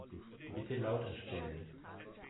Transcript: Bitte lauter stellen.